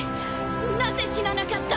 なぜ死ななかった？